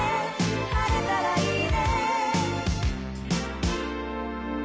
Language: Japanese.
「晴れたらいいね」